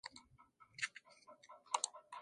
Está nombrado en honor de Amnistía Internacional.